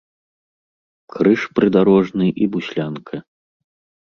Крыж прыдарожны і буслянка.